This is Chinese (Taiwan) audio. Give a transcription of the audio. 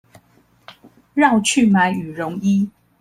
繞去買羽絨衣